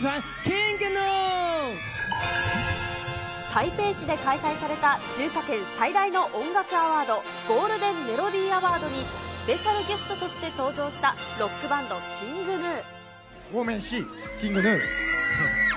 台北市で開催された、中華圏最大の音楽アワード、ゴールデン・メロディー・アワードに、スペシャルゲストとして登場した、ロックバンド、ＫｉｎｇＧｎｕ。